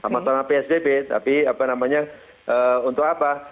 masalah psbb tapi untuk apa